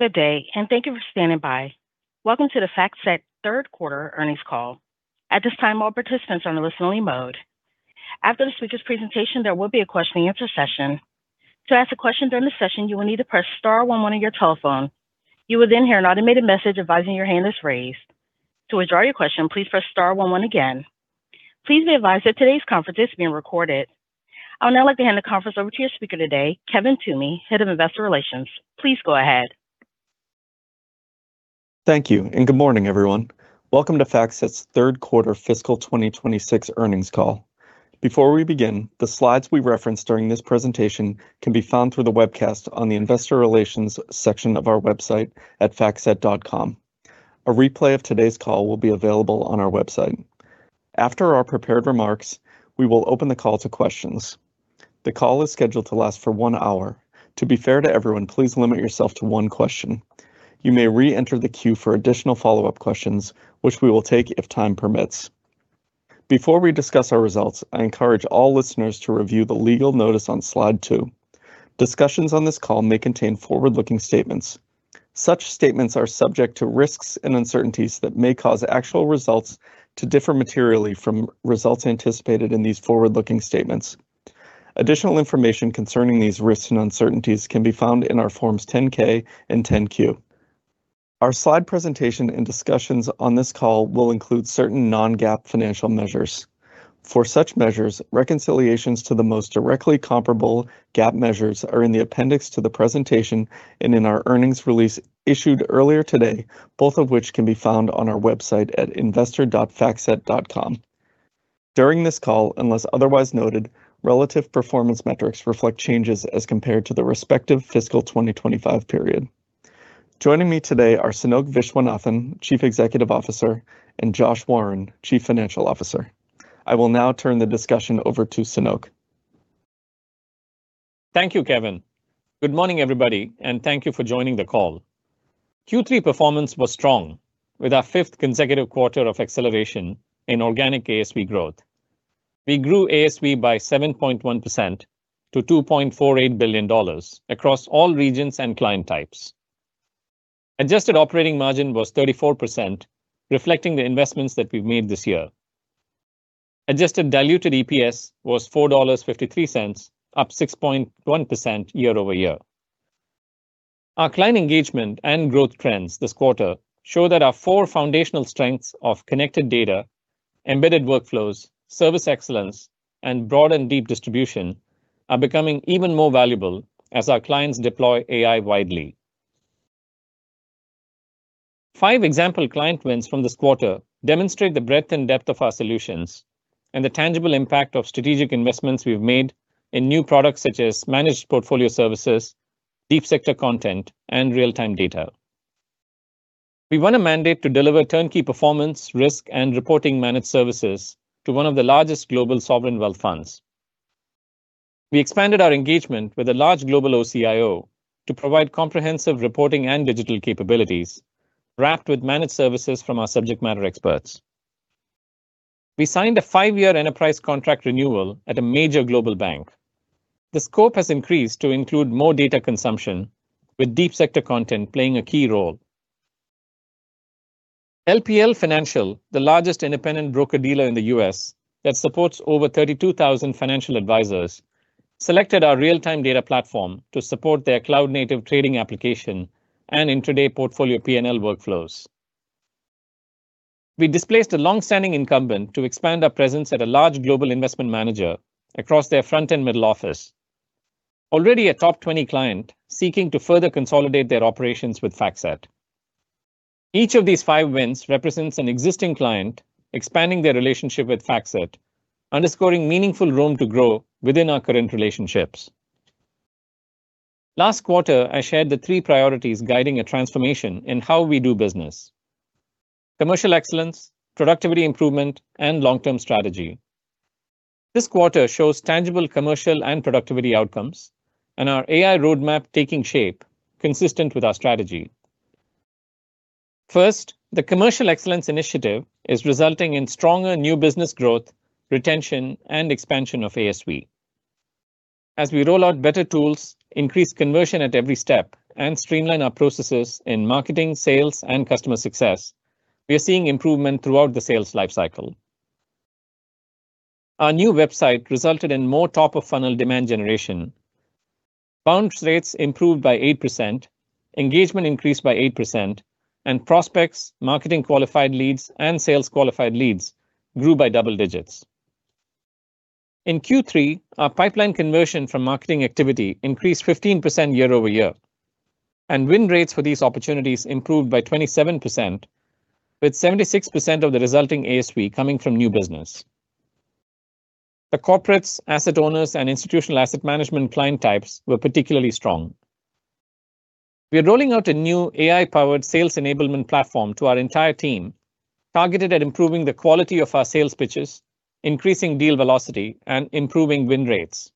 Good day, and thank you for standing by. Welcome to the FactSet Third Quarter Earnings Call. At this time, all participants are on a listen-only mode. After the speaker's presentation, there will be a question-and-answer session. To ask a question during the session, you will need to press star one one on your telephone. You will then hear an automated message advising your hand is raised. To withdraw your question, please press star one one again. Please be advised that today's conference is being recorded. I would now like to hand the conference over to your speaker today, Kevin Toomey, Head of Investor Relations. Please go ahead. Thank you, and good morning, everyone. Welcome to FactSet's third quarter fiscal 2026 earnings call. Before we begin, the slides we reference during this presentation can be found through the webcast on the Investor Relations section of our website at factset.com. A replay of today's call will be available on our website. After our prepared remarks, we will open the call to questions. The call is scheduled to last for one hour. To be fair to everyone, please limit yourself to one question. You may re-enter the queue for additional follow-up questions, which we will take if time permits. Before we discuss our results, I encourage all listeners to review the legal notice on slide two. Discussions on this call may contain forward-looking statements. Such statements are subject to risks and uncertainties that may cause actual results to differ materially from results anticipated in these forward-looking statements. Additional information concerning these risks and uncertainties can be found in our Forms 10-K and 10-Q. Our slide presentation and discussions on this call will include certain non-GAAP financial measures. For such measures, reconciliations to the most directly comparable GAAP measures are in the appendix to the presentation and in our earnings release issued earlier today, both of which can be found on our website at investor.factset.com. During this call, unless otherwise noted, relative performance metrics reflect changes as compared to the respective fiscal 2025 period. Joining me today are Sanoke Viswanathan, Chief Executive Officer, and Josh Warren, Chief Financial Officer. I will now turn the discussion over to Sanoke. Thank you, Kevin. Good morning, everybody, and thank you for joining the call. Q3 performance was strong with our fifth consecutive quarter of acceleration in organic ASV growth. We grew ASV by 7.1% to $2.48 billion across all regions and client types. Adjusted operating margin was 34%, reflecting the investments that we've made this year. Adjusted diluted EPS was $4.53, up 6.1% year-over-year. Our client engagement and growth trends this quarter show that our four foundational strengths of connected data, embedded workflows, service excellence, and broad and deep distribution are becoming even more valuable as our clients deploy AI widely. Five example client wins from this quarter demonstrate the breadth and depth of our solutions and the tangible impact of strategic investments we've made in new products such as Managed Portfolio Services, deep sector content, and real-time data. We won a mandate to deliver turnkey performance, risk, and reporting managed services to one of the largest global sovereign wealth funds. We expanded our engagement with a large global OCIO to provide comprehensive reporting and digital capabilities wrapped with managed services from our subject matter experts. We signed a five-year enterprise contract renewal at a major global bank. The scope has increased to include more data consumption with deep sector content playing a key role. LPL Financial, the largest independent broker-dealer in the U.S. that supports over 32,000 financial advisors, selected our real-time data platform to support their cloud-native trading application and intra-day portfolio P&L workflows. We displaced a long-standing incumbent to expand our presence at a large global investment manager across their front and middle office. Already a top 20 client seeking to further consolidate their operations with FactSet. Each of these five wins represents an existing client expanding their relationship with FactSet, underscoring meaningful room to grow within our current relationships. Last quarter, I shared the three priorities guiding a transformation in how we do business. Commercial excellence, productivity improvement, and long-term strategy. This quarter shows tangible commercial and productivity outcomes and our AI roadmap taking shape consistent with our strategy. First, the commercial excellence initiative is resulting in stronger new business growth, retention, and expansion of ASV. As we roll out better tools, increase conversion at every step, and streamline our processes in marketing, sales, and customer success, we are seeing improvement throughout the sales life cycle. Our new website resulted in more top-of-funnel demand generation. Bounce rates improved by 8%, engagement increased by 8%, and prospects, marketing qualified leads, and sales qualified leads grew by double digits. In Q3, our pipeline conversion from marketing activity increased 15% year-over-year, and win rates for these opportunities improved by 27%, with 76% of the resulting ASV coming from new business. The corporates, asset owners, and institutional asset management client types were particularly strong. We are rolling out a new AI-powered sales enablement platform to our entire team, targeted at improving the quality of our sales pitches, increasing deal velocity, and improving win rates.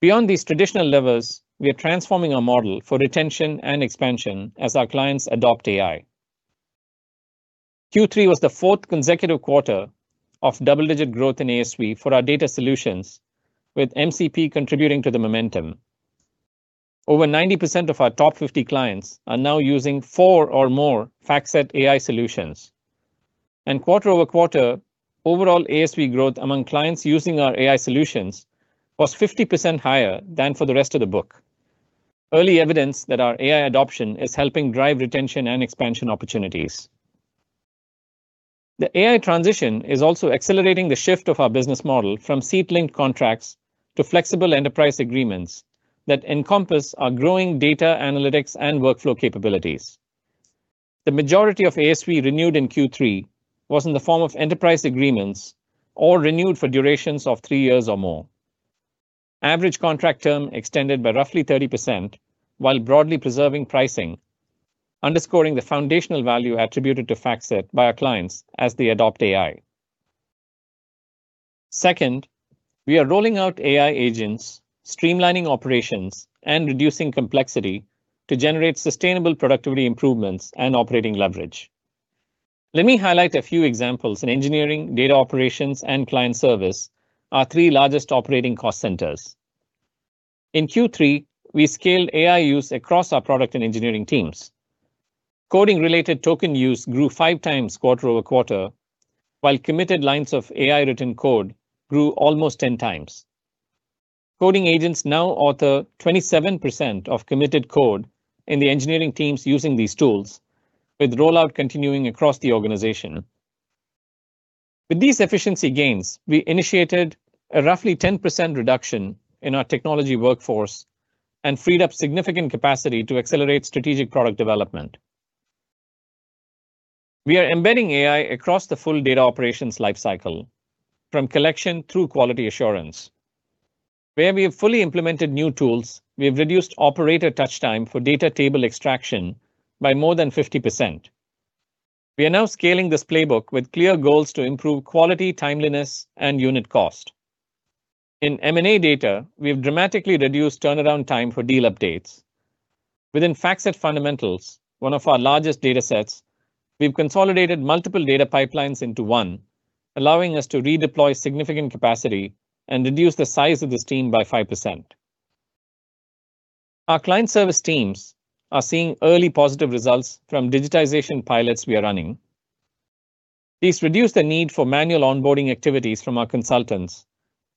Beyond these traditional levers, we are transforming our model for retention and expansion as our clients adopt AI. Q3 was the fourth consecutive quarter of double-digit growth in ASV for our data solutions, with MCP contributing to the momentum. Over 90% of our top 50 clients are now using four or more FactSet AI solutions. Quarter-over-quarter, overall ASV growth among clients using our AI solutions was 50% higher than for the rest of the book. Early evidence that our AI adoption is helping drive retention and expansion opportunities. The AI transition is also accelerating the shift of our business model from seat-linked contracts to flexible enterprise agreements that encompass our growing data analytics and workflow capabilities. The majority of ASV renewed in Q3 was in the form of enterprise agreements or renewed for durations of three years or more. Average contract term extended by roughly 30%, while broadly preserving pricing, underscoring the foundational value attributed to FactSet by our clients as they adopt AI. Second, we are rolling out AI agents, streamlining operations, and reducing complexity to generate sustainable productivity improvements and operating leverage. Let me highlight a few examples in engineering, data operations, and client service, our three largest operating cost centers. In Q3, we scaled AI use across our product and engineering teams. Coding-related token use grew 5x quarter-over-quarter, while committed lines of AI-written code grew almost 10x. Coding agents now author 27% of committed code in the engineering teams using these tools, with rollout continuing across the organization. With these efficiency gains, we initiated a roughly 10% reduction in our technology workforce and freed up significant capacity to accelerate strategic product development. We are embedding AI across the full data operations life cycle, from collection through quality assurance. Where we have fully implemented new tools, we have reduced operator touch time for data table extraction by more than 50%. We are now scaling this playbook with clear goals to improve quality, timeliness, and unit cost. In M&A data, we have dramatically reduced turnaround time for deal updates. Within FactSet Fundamentals, one of our largest data sets, we've consolidated multiple data pipelines into one, allowing us to redeploy significant capacity and reduce the size of this team by 5%. Our client service teams are seeing early positive results from digitization pilots we are running. These reduce the need for manual onboarding activities from our consultants,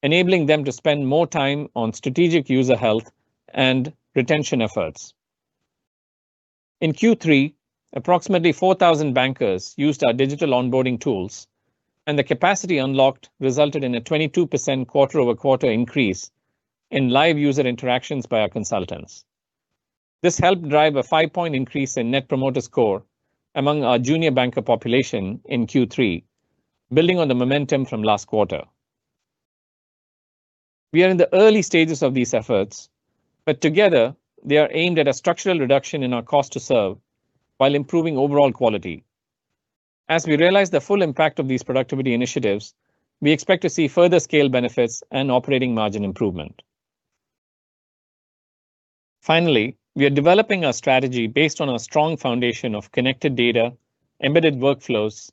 enabling them to spend more time on strategic user health and retention efforts. In Q3, approximately 4,000 bankers used our digital onboarding tools, and the capacity unlocked resulted in a 22% quarter-over-quarter increase in live user interactions by our consultants. This helped drive a 5-point increase in Net Promoter Score among our junior banker population in Q3, building on the momentum from last quarter. We are in the early stages of these efforts, but together, they are aimed at a structural reduction in our cost to serve while improving overall quality. As we realize the full impact of these productivity initiatives, we expect to see further scale benefits and operating margin improvement. We are developing our strategy based on a strong foundation of connected data, embedded workflows,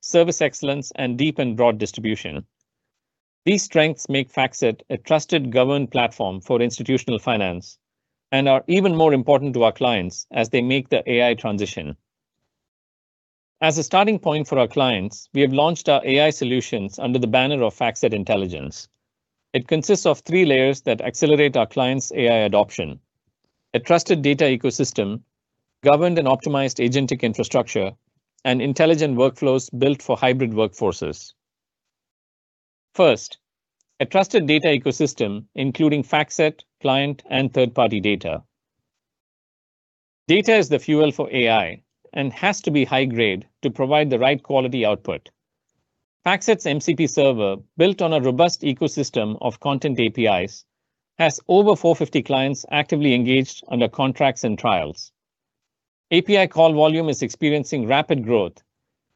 service excellence, and deep and broad distribution. These strengths make FactSet a trusted governed platform for institutional finance and are even more important to our clients as they make their AI transition. As a starting point for our clients, we have launched our AI solutions under the banner of FactSet Intelligence. It consists of three layers that accelerate our clients' AI adoption, a trusted data ecosystem, governed and optimized agentic infrastructure, and intelligent workflows built for hybrid workforces. A trusted data ecosystem including FactSet, client, and third-party data. Data is the fuel for AI and has to be high grade to provide the right quality output. FactSet's MCP server, built on a robust ecosystem of content APIs, has over 450 clients actively engaged under contracts and trials. API call volume is experiencing rapid growth,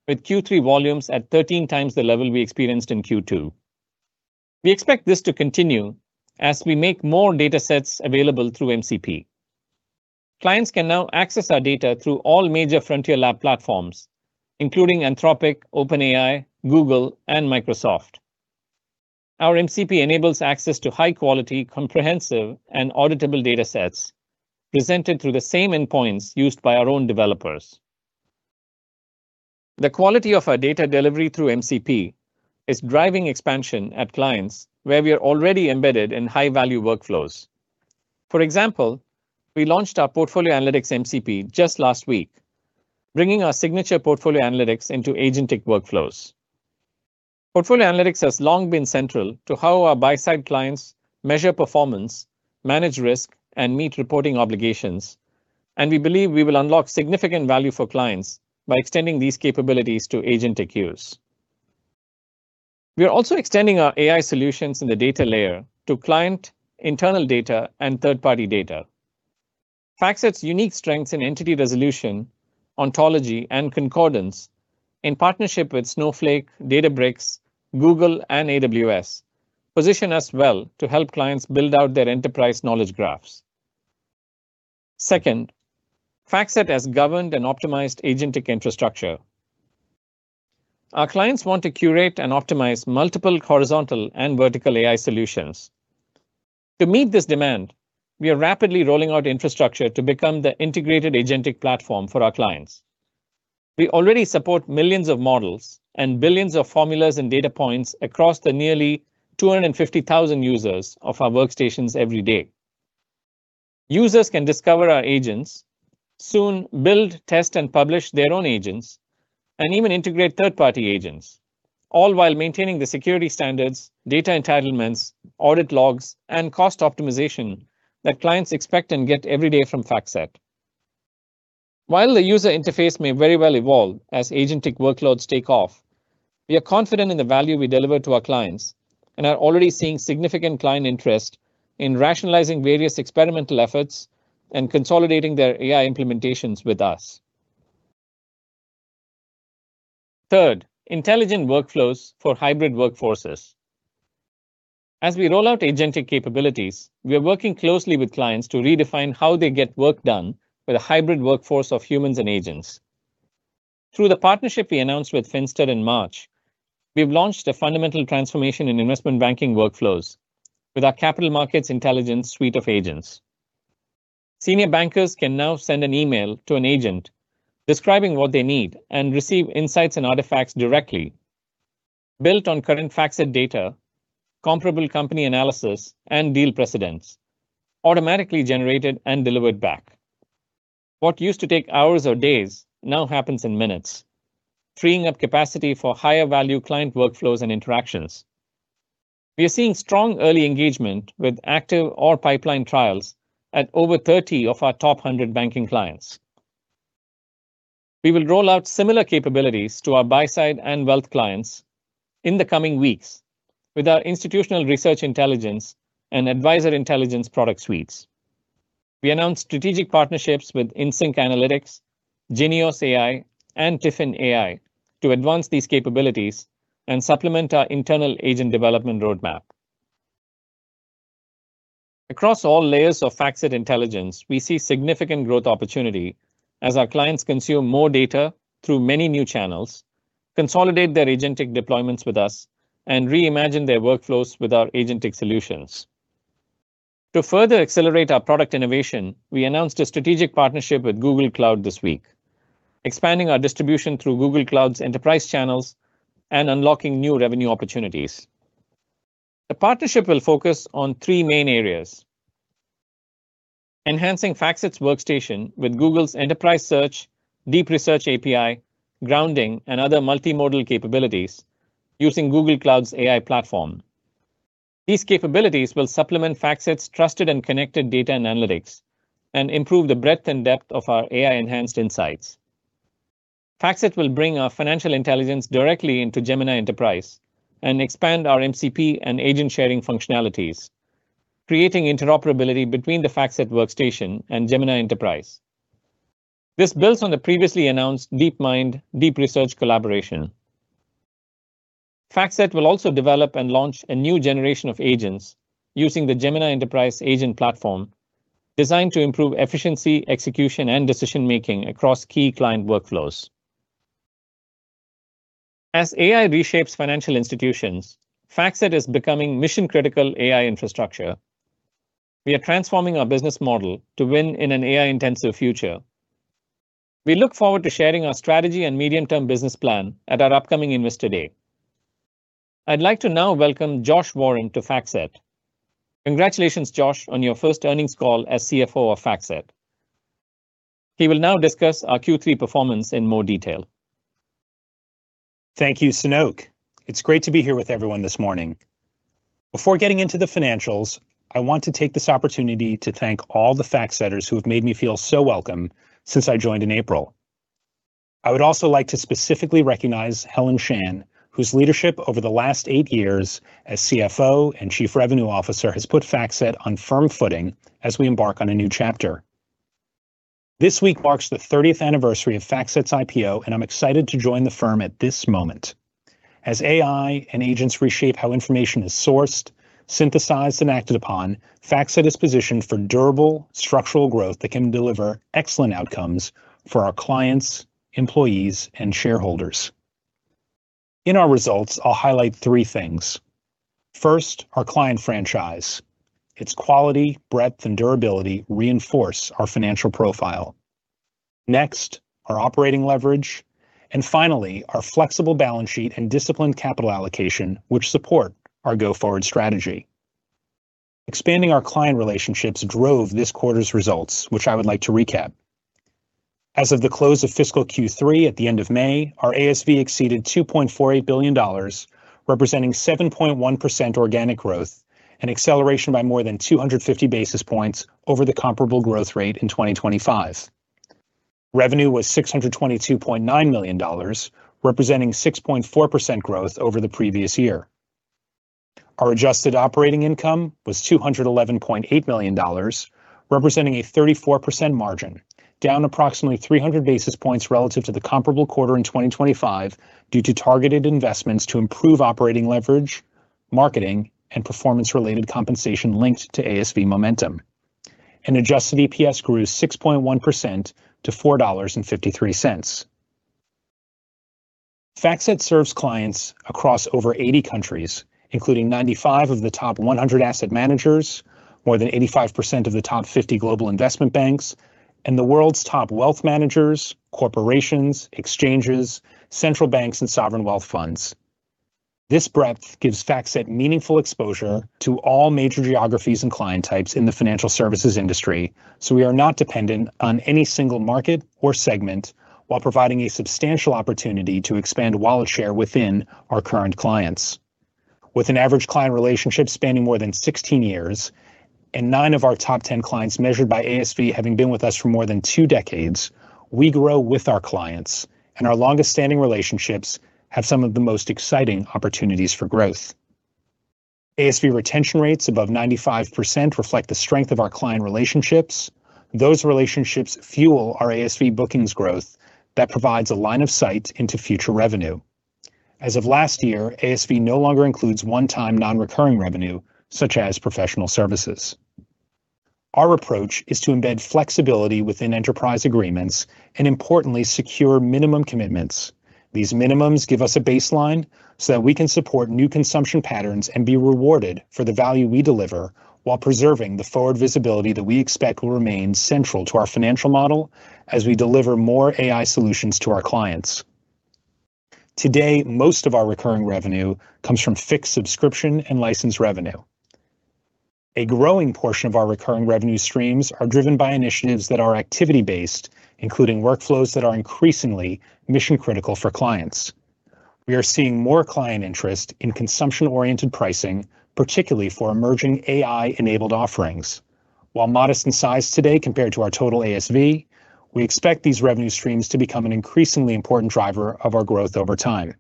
with Q3 volumes at 13x the level we experienced in Q2. We expect this to continue as we make more data sets available through MCP. Clients can now access our data through all major frontier lab platforms, including Anthropic, OpenAI, Google, and Microsoft. Our MCP enables access to high-quality, comprehensive, and auditable data sets presented through the same endpoints used by our own developers. The quality of our data delivery through MCP is driving expansion at clients where we're already embedded in high-value workflows. For example, we launched our Portfolio Analytics MCP just last week, bringing our signature Portfolio Analytics into agentic workflows. Portfolio Analytics has long been central to how our buy-side clients measure performance, manage risk, and meet reporting obligations, and we believe we will unlock significant value for clients by extending these capabilities to agentic use. We are also extending our AI solutions in the data layer to client internal data and third-party data. FactSet's unique strengths in entity resolution, ontology, and concordance in partnership with Snowflake, Databricks, Google, and AWS, position us well to help clients build out their enterprise knowledge graphs. Second, FactSet has governed and optimized agentic infrastructure. Our clients want to curate and optimize multiple horizontal and vertical AI solutions. To meet this demand, we are rapidly rolling out infrastructure to become the integrated agentic platform for our clients. We already support millions of models and billions of formulas and data points across the nearly 250,000 users of our workstations every day. Users can discover our agents, soon build, test, and publish their own agents, and even integrate third-party agents, all while maintaining the security standards, data entitlements, audit logs, and cost optimization that clients expect and get every day from FactSet. While the user interface may very well evolve as agentic workloads take off, we are confident in the value we deliver to our clients and are already seeing significant client interest in rationalizing various experimental efforts and consolidating their AI implementations with us. Third, intelligent workflows for hybrid workforces. As we roll out agentic capabilities, we are working closely with clients to redefine how they get work done with a hybrid workforce of humans and agents. Through the partnership we announced with Finster in March, we've launched a fundamental transformation in investment banking workflows with our Capital Markets Intelligence suite of agents. Senior bankers can now send an email to an agent describing what they need and receive insights and artifacts directly. Built on current FactSet data, comparable company analysis, and deal precedents automatically generated and delivered back. What used to take hours or days now happens in minutes, freeing up capacity for higher-value client workflows and interactions. We are seeing strong early engagement with active or pipeline trials at over 30 of our top 100 banking clients. We will roll out similar capabilities to our buy-side and wealth clients in the coming weeks with our Institutional Research Intelligence and Advisor Intelligence product suites. We announced strategic partnerships with InSync Analytics, Genios AI, and TIFIN.AI to advance these capabilities and supplement our internal agent development roadmap. Across all layers of FactSet Intelligence, we see significant growth opportunity as our clients consume more data through many new channels, consolidate their agentic deployments with us, and reimagine their workflows with our agentic solutions. To further accelerate our product innovation, we announced a strategic partnership with Google Cloud this week, expanding our distribution through Google Cloud's enterprise channels and unlocking new revenue opportunities. The partnership will focus on three main areas. Enhancing FactSet's workstation with Google's Enterprise Search, Deep Research API, Grounding, and other multimodal capabilities using Google Cloud's AI platform. These capabilities will supplement FactSet's trusted and connected data and analytics and improve the breadth and depth of our AI-enhanced insights. FactSet will bring our financial intelligence directly into Gemini Enterprise and expand our MCP and agent-sharing functionalities, creating interoperability between the FactSet workstation and Gemini Enterprise. This builds on the previously announced DeepMind Deep Research collaboration. FactSet will also develop and launch a new generation of agents using the Gemini Enterprise agent platform designed to improve efficiency, execution, and decision-making across key client workflows. As AI reshapes financial institutions, FactSet is becoming mission-critical AI infrastructure. We are transforming our business model to win in an AI-intensive future. We look forward to sharing our strategy and medium-term business plan at our upcoming Investor Day. I'd like to now welcome Josh Warren to FactSet. Congratulations, Josh, on your first earnings call as CFO of FactSet. He will now discuss our Q3 performance in more detail. Thank you, Sanoke. It's great to be here with everyone this morning. Before getting into the financials, I want to take this opportunity to thank all the FactSetters who have made me feel so welcome since I joined in April. I would also like to specifically recognize Helen Shan, whose leadership over the last eight years as CFO and Chief Revenue Officer has put FactSet on firm footing as we embark on a new chapter. This week marks the 30th anniversary of FactSet's IPO, and I'm excited to join the firm at this moment. As AI and agents reshape how information is sourced, synthesized, and acted upon, FactSet is positioned for durable structural growth that can deliver excellent outcomes for our clients, employees, and shareholders. In our results, I'll highlight three things. First, our client franchise. Its quality, breadth, and durability reinforce our financial profile. Next, our operating leverage. Finally, our flexible balance sheet and disciplined capital allocation, which support our go-forward strategy. Expanding our client relationships drove this quarter's results, which I would like to recap. As of the close of fiscal Q3 at the end of May, our ASV exceeded $2.48 billion, representing 7.1% organic growth, an acceleration by more than 250 basis points over the comparable growth rate in 2025. Revenue was $622.9 million, representing 6.4% growth over the previous year. Our adjusted operating income was $211.8 million, representing a 34% margin, down approximately 300 basis points relative to the comparable quarter in 2025 due to targeted investments to improve operating leverage, marketing and performance-related compensation linked to ASV momentum. Adjusted EPS grew 6.1% to $4.53. FactSet serves clients across over 80 countries, including 95 of the top 100 asset managers, more than 85% of the top 50 global investment banks, and the world's top wealth managers, corporations, exchanges, central banks, and sovereign wealth funds. This breadth gives FactSet meaningful exposure to all major geographies and client types in the financial services industry, so we are not dependent on any single market or segment, while providing a substantial opportunity to expand wallet share within our current clients. With an average client relationship spanning more than 16 years and nine of our top 10 clients measured by ASV having been with us for more than two decades, we grow with our clients, and our longest-standing relationships have some of the most exciting opportunities for growth. ASV retention rates above 95% reflect the strength of our client relationships. Those relationships fuel our ASV bookings growth that provides a line of sight into future revenue. As of last year, ASV no longer includes one-time non-recurring revenue, such as professional services. Our approach is to embed flexibility within enterprise agreements and, importantly, secure minimum commitments. These minimums give us a baseline so that we can support new consumption patterns and be rewarded for the value we deliver while preserving the forward visibility that we expect will remain central to our financial model as we deliver more AI solutions to our clients. Today, most of our recurring revenue comes from fixed subscription and license revenue. A growing portion of our recurring revenue streams are driven by initiatives that are activity-based, including workflows that are increasingly mission-critical for clients. We are seeing more client interest in consumption-oriented pricing, particularly for emerging AI-enabled offerings. While modest in size today compared to our total ASV, we expect these revenue streams to become an increasingly important driver of our growth over time.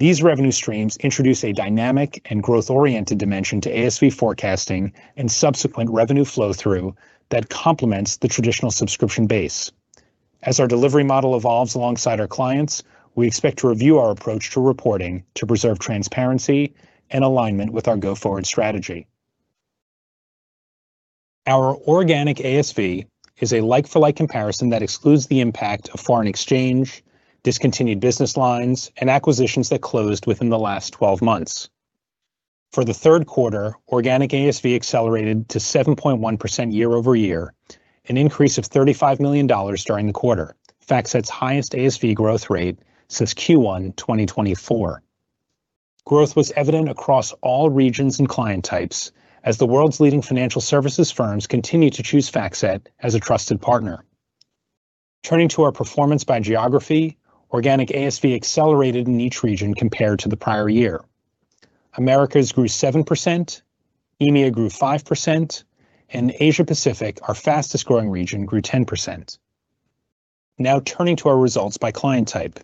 These revenue streams introduce a dynamic and growth-oriented dimension to ASV forecasting and subsequent revenue flow-through that complements the traditional subscription base. As our delivery model evolves alongside our clients, we expect to review our approach to reporting to preserve transparency and alignment with our go-forward strategy. Our organic ASV is a like-for-like comparison that excludes the impact of foreign exchange, discontinued business lines, and acquisitions that closed within the last 12 months. For the third quarter, organic ASV accelerated to 7.1% year-over-year, an increase of $35 million during the quarter, FactSet's highest ASV growth rate since Q1 2024. Growth was evident across all regions and client types as the world's leading financial services firms continue to choose FactSet as a trusted partner. Turning to our performance by geography, organic ASV accelerated in each region compared to the prior year. Americas grew 7%, EMEA grew 5%, and Asia Pacific, our fastest-growing region, grew 10%. Turning to our results by client type.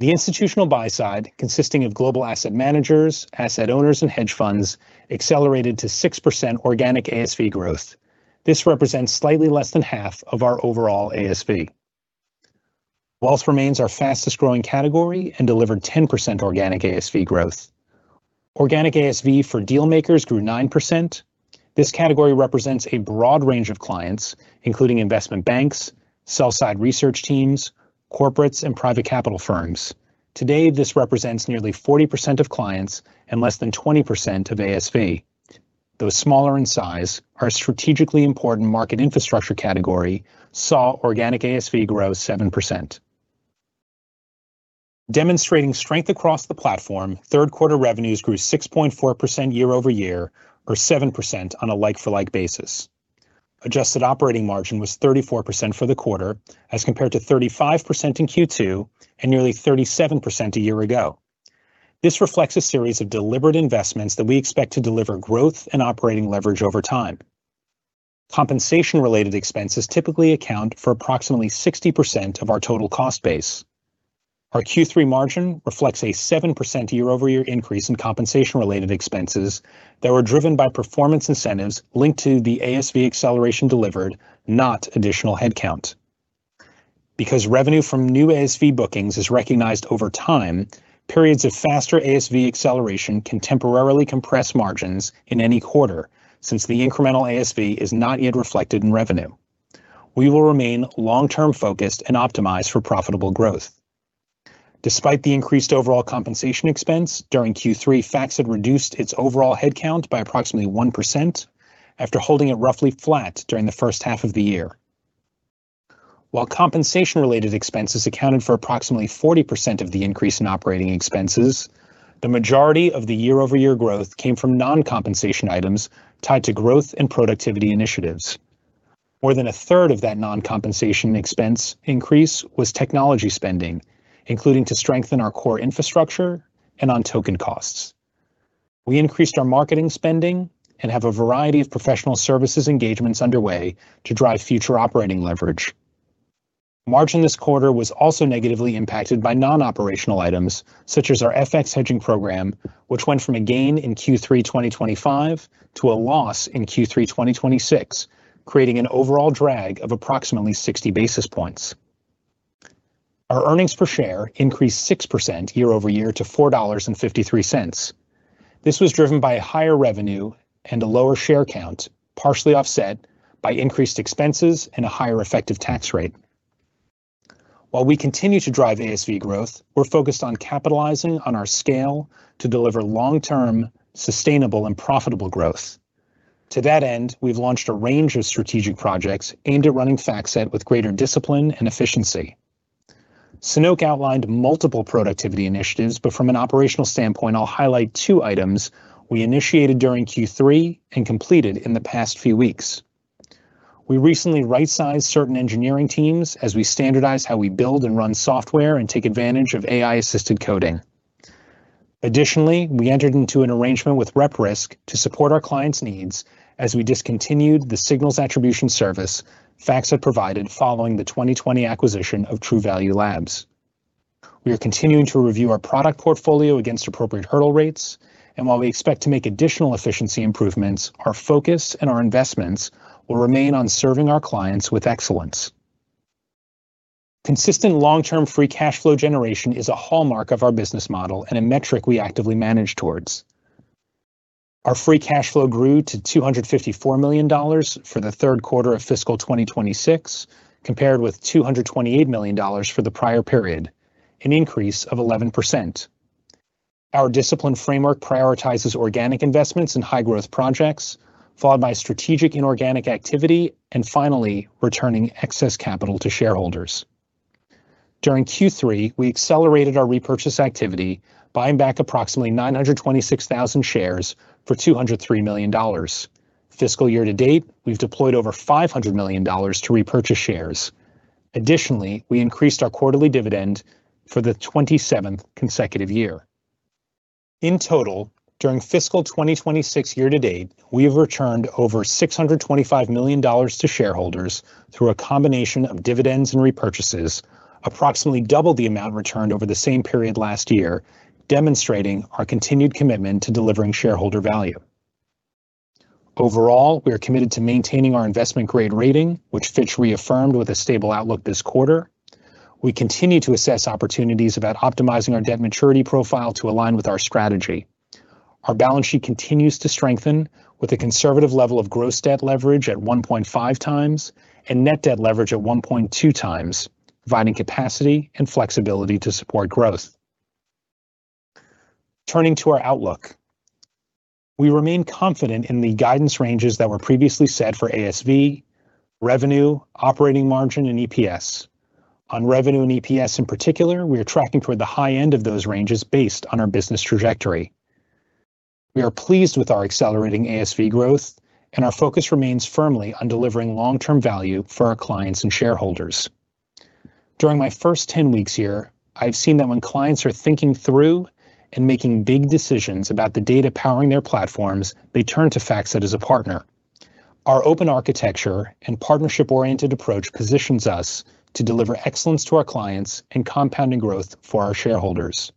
The institutional buy-side, consisting of global asset managers, asset owners, and hedge funds, accelerated to 6% organic ASV growth. This represents slightly less than half of our overall ASV. Wealth remains our fastest-growing category and delivered 10% organic ASV growth. Organic ASV for dealmakers grew 9%. This category represents a broad range of clients, including investment banks, sell-side research teams, corporates, and private capital firms. Today, this represents nearly 40% of clients and less than 20% of ASV. Though smaller in size, our strategically important market infrastructure category saw organic ASV grow 7%. Demonstrating strength across the platform, third-quarter revenues grew 6.4% year-over-year, or 7% on a like-for-like basis. Adjusted operating margin was 34% for the quarter as compared to 35% in Q2 and nearly 37% a year ago. This reflects a series of deliberate investments that we expect to deliver growth and operating leverage over time. Compensation-related expenses typically account for approximately 60% of our total cost base. Our Q3 margin reflects a 7% year-over-year increase in compensation-related expenses that were driven by performance incentives linked to the ASV acceleration delivered, not additional headcount. Because revenue from new ASV bookings is recognized over time, periods of faster ASV acceleration can temporarily compress margins in any quarter since the incremental ASV is not yet reflected in revenue. We will remain long-term focused and optimized for profitable growth. Despite the increased overall compensation expense during Q3, FactSet reduced its overall headcount by approximately 1% after holding it roughly flat during the first half of the year. While compensation-related expenses accounted for approximately 40% of the increase in operating expenses, the majority of the year-over-year growth came from non-compensation items tied to growth and productivity initiatives. More than a third of that non-compensation expense increase was technology spending, including to strengthen our core infrastructure and on-token costs. We increased our marketing spending and have a variety of professional services engagements underway to drive future operating leverage. Margin this quarter was also negatively impacted by non-operational items, such as our FX hedging program, which went from a gain in Q3 2025 to a loss in Q3 2026, creating an overall drag of approximately 60 basis points. Our earnings per share increased 6% year-over-year to $4.53. This was driven by a higher revenue and a lower share count, partially offset by increased expenses and a higher effective tax rate. While we continue to drive ASV growth, we're focused on capitalizing on our scale to deliver long-term sustainable and profitable growth. To that end, we've launched a range of strategic projects aimed at running FactSet with greater discipline and efficiency. Sanoke outlined multiple productivity initiatives, but from an operational standpoint, I'll highlight two items we initiated during Q3 and completed in the past few weeks. We recently right-sized certain engineering teams as we standardize how we build and run software and take advantage of AI-assisted coding. Additionally, we entered into an arrangement with RepRisk to support our clients' needs as we discontinued the Signals Attribution Service FactSet provided following the 2020 acquisition of Truvalue Labs. We are continuing to review our product portfolio against appropriate hurdle rates, and while we expect to make additional efficiency improvements, our focus and our investments will remain on serving our clients with excellence. Consistent long-term free cash flow generation is a hallmark of our business model and a metric we actively manage towards. Our free cash flow grew to $254 million for the third quarter of fiscal 2026, compared with $228 million for the prior period, an increase of 11%. Our discipline framework prioritizes organic investments in high-growth projects, followed by strategic inorganic activity, and finally, returning excess capital to shareholders. During Q3, we accelerated our repurchase activity, buying back approximately 926,000 shares for $203 million. Fiscal year-to-date, we've deployed over $500 million to repurchase shares. Additionally, we increased our quarterly dividend for the 27th consecutive year. In total, during fiscal 2026 year-to-date, we have returned over $625 million to shareholders through a combination of dividends and repurchases, approximately double the amount returned over the same period last year, demonstrating our continued commitment to delivering shareholder value. Overall, we are committed to maintaining our investment-grade rating, which Fitch reaffirmed with a stable outlook this quarter. We continue to assess opportunities about optimizing our debt maturity profile to align with our strategy. Our balance sheet continues to strengthen with a conservative level of gross debt leverage at 1.5x and net debt leverage at 1.2x, providing capacity and flexibility to support growth. Turning to our outlook, we remain confident in the guidance ranges that were previously set for ASV, revenue, operating margin, and EPS. On revenue and EPS in particular, we are tracking toward the high end of those ranges based on our business trajectory. We are pleased with our accelerating ASV growth, and our focus remains firmly on delivering long-term value for our clients and shareholders. During my first 10 weeks here, I've seen that when clients are thinking through and making big decisions about the data powering their platforms, they turn to FactSet as a partner. Our open architecture and partnership-oriented approach positions us to deliver excellence to our clients and compounding growth for our shareholders.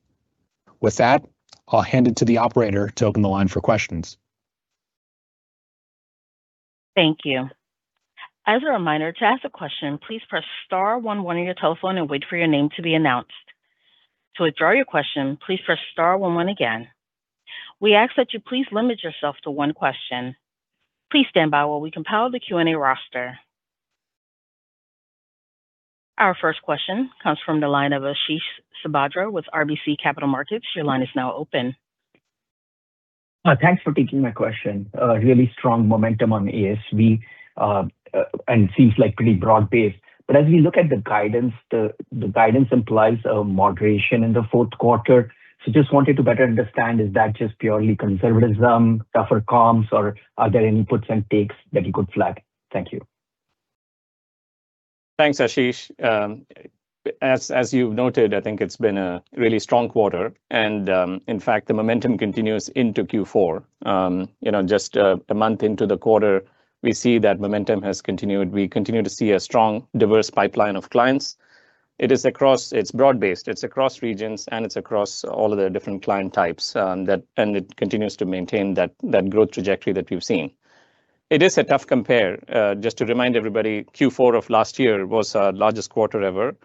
With that, I'll hand it to the operator to open the line for questions. Thank you. As a reminder, to ask a question, please press star one one on your telephone and wait for your name to be announced. To withdraw your question, please press star one one again. We ask that you please limit yourself to one question. Please stand by while we compile the Q&A roster. Our first question comes from the line of Ashish Sabadra with RBC Capital Markets. Your line is now open. Thanks for taking my question. A really strong momentum on ASV, and seems pretty broad-based. As we look at the guidance, the guidance implies a moderation in the fourth quarter. Just wanted to better understand, is that just purely conservatism, tougher comps, or are there any inputs and takes that you could flag? Thank you. Thanks, Ashish. As you've noted, I think it's been a really strong quarter, and in fact, the momentum continues into Q4. Just a month into the quarter, we see that momentum has continued. We continue to see a strong, diverse pipeline of clients. It's broad based, it's across regions, and it's across all of the different client types, and it continues to maintain that growth trajectory that we've seen. It is a tough compare. Just to remind everybody, Q4 of last year was our largest quarter ever,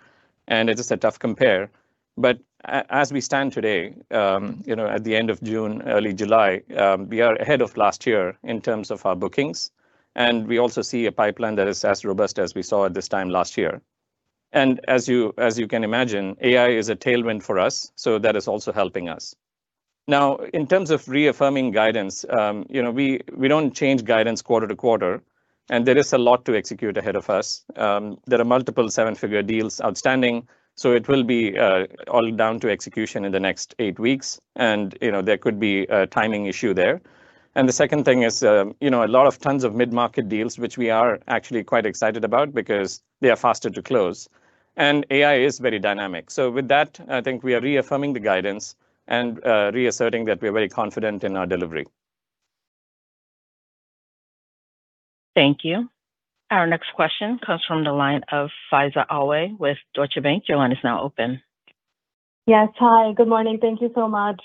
and it is a tough compare. As we stand today, at the end of June, early July, we are ahead of last year in terms of our bookings, and we also see a pipeline that is as robust as we saw at this time last year. AI is a tailwind for us, that is also helping us. In terms of reaffirming guidance, we don't change guidance quarter to quarter, there is a lot to execute ahead of us. There are multiple seven-figure deals outstanding, it will be all down to execution in the next eight weeks, there could be a timing issue there. The second thing is, a lot of tons of mid-market deals, which we are actually quite excited about because they are faster to close, AI is very dynamic. With that, I think we are reaffirming the guidance and reasserting that we are very confident in our delivery. Thank you. Our next question comes from the line of Faiza Alwy with Deutsche Bank. Your line is now open Yes. Hi, good morning. Thank you so much.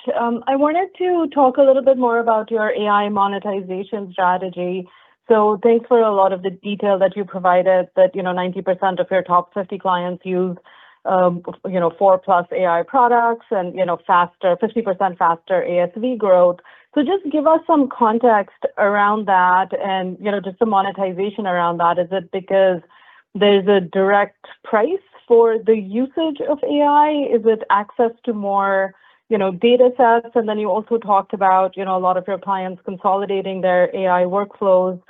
I wanted to talk a little bit more about your AI monetization strategy. Thanks for a lot of the detail that you provided that 90% of your top 50 clients use four-plus AI products and 50% faster ASV growth. Just give us some context around that and just the monetization around that. Is it because there's a direct price for the usage of AI? Is it access to more datasets? You also talked about a lot of your clients consolidating their AI workflows